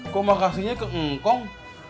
kok makasihnya ke ngkong